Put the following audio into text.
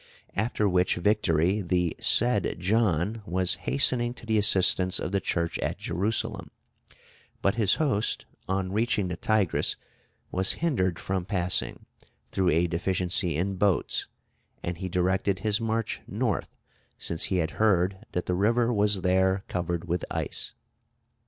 After which victory the said John was hastening to the assistance of the Church at Jerusalem, but his host, on reaching the Tigris, was hindered from passing, through a deficiency in boats, and he directed his march North, since he had heard that the river was there covered with ice.